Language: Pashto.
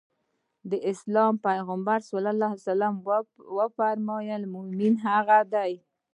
د اسلام پيغمبر ص وفرمايل مومن هغه دی.